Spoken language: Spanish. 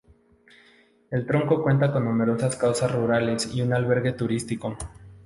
El Torno cuenta con numerosas casas rurales y un albergue turístico.